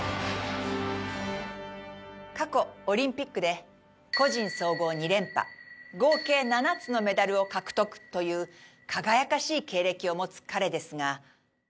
過去オリンピックで個人総合２連覇合計７つのメダルを獲得という輝かしい経歴を持つ彼ですが。